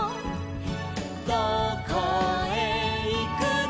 「どこへいくの」